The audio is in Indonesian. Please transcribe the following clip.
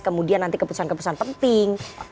kemudian nanti keputusan keputusan penting